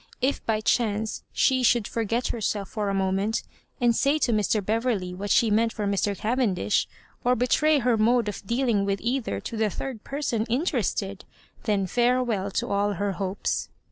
If by chance she should forget herself for a moment and say to Mr. Beverley what she meant for Mr. Cavendish, or betray her mode: of dealing with either to the third person interested, then farewell to all her hopes.